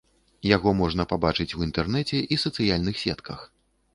Яго можна пабачыць у інтэрнэце і сацыяльных сетках.